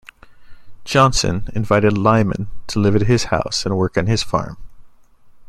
Johnson invited Lyman to live at his house and work on his farm.